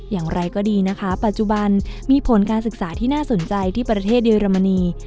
อย่างไรก็ดีนะคะปัจจุบันมีผลการศึกษาที่น่าสนใจที่ประเทศเยอรมนี